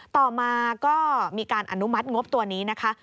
ต่อมาก็มีการอนุมัติงบตัวนี้นะคะ